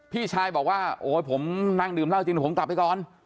พี่ชายบอกว่าโอ๊ยผมนั่งดื่มเหล้าจริงผมกลับไปก่อน